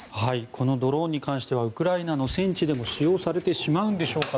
このドローンに関してはウクライナの戦地でも使用されてしまうんでしょうか。